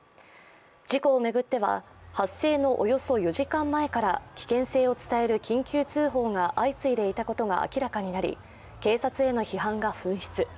事故を巡っては発生のおよそ４時間前から危険性を伝える緊急通報が相次いでいたことが明らかになり警察への批判が噴出。